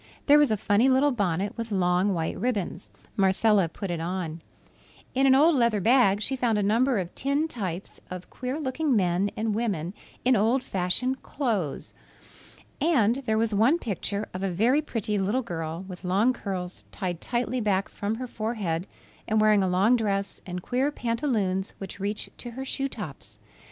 There was a funny little bonnet with long white ribbons. Marcella put it on. In an old leather bag she found a number of tin types of queer looking men and women in old fashioned clothes. And there was one picture of a very pretty little girl with long curls tied tightly back from her forehead and wearing a long dress and queer pantaloons which reached to her shoe tops.